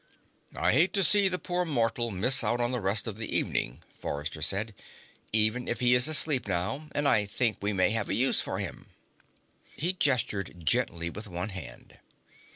"I hate to see the poor mortal miss out on the rest of the evening," Forrester said, "even if he is asleep now. And I think we may have a use for him." He gestured gently with one hand.